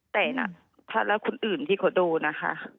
แต่น่ะถ้าแล้วคนอื่นที่เขาโดนนะคะ